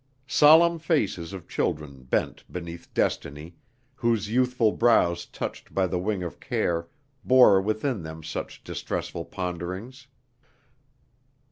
Solemn faces of children bent beneath Destiny, whose youthful brows touched by the wing of care bore within them such distressful ponderings!...